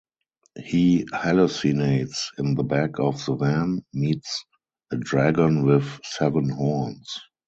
He hallucinates in the back of the van, meets a dragon with "seven horns".